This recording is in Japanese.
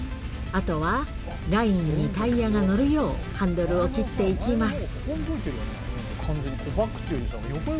あとは、ラインにタイヤがのるよう、ハンドルを切っていきます。